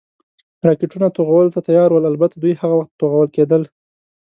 راکټونه، توغولو ته تیار ول، البته دوی هغه وخت توغول کېدل.